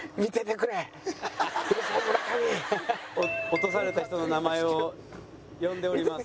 落とされた人の名前を呼んでおります。